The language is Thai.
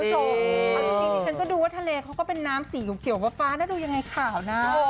เอาจริงดิฉันก็ดูว่าทะเลเขาก็เป็นน้ำสีเขียวฟ้านะดูยังไงขาวนะ